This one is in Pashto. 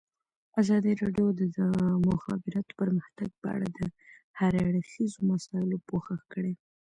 ازادي راډیو د د مخابراتو پرمختګ په اړه د هر اړخیزو مسایلو پوښښ کړی.